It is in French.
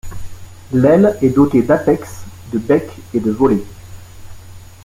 L'aile est dotée d'apex, de becs et de volets.